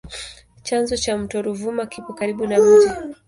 Chanzo cha mto Ruvuma kipo karibu na mji.